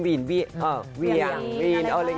ฟังเสียงพี่เสก